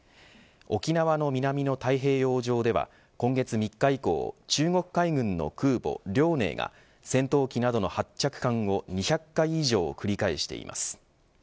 沖縄の南の太平洋上では今月３日以降、中国海軍の空母遼寧が戦闘機などの発着艦を２００回以上繰り返しています。